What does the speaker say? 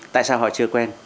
tại sao họ chưa quen